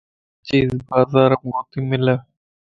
ھر چيز بازار مَ ڪوتي ملَ